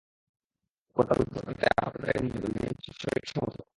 গত বুধবার রাতে আহতদের একজন মারা যান, যিনি ছোট শরিকের সমর্থক।